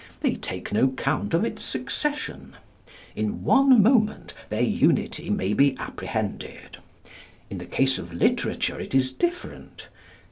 They take no count of its succession. In one moment their unity may be apprehended. In the case of literature it is different.